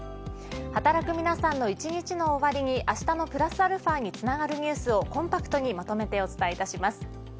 働く皆さんの一日の終わりにあしたのプラスαにつながるニュースをコンパクトにまとめてお伝えいたします。